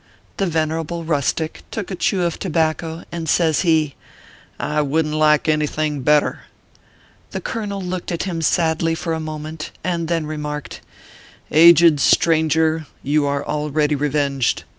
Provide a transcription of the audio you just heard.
The venerable rustic took a chew of tobacco, and says he : "I wouldn t like any thing better." The colonel looked at him sadly for a moment, and then remarked :" Aged stranger, you ORPHEUS C. KERR PAPERS. 83 are already revenged.